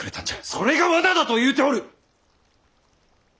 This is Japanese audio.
それが罠だと言うておる！